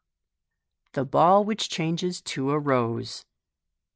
The Ball which changes to a Rose.